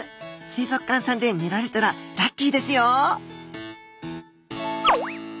水族館さんで見られたらラッキーですよ！